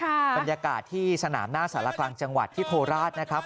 บรรยากาศที่สนามหน้าสารกลางจังหวัดที่โคราชนะครับ